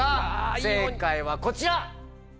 正解はこちら！